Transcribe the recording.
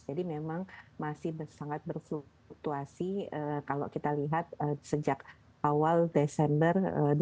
jadi memang masih sangat berfluktuasi kalau kita lihat sejak awal desember dua ribu dua puluh tiga